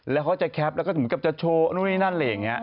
แล้วเขาจะแคปแล้วก็เหมือนกับจะโชว์นู่นนี่นั่นอะไรอย่างนี้